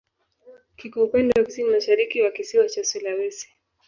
Kiko upande wa kusini-mashariki wa kisiwa cha Sulawesi.